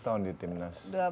dua belas tahun di timnas